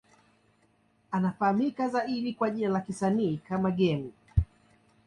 Anafahamika zaidi kwa jina lake la kisanii kama Game.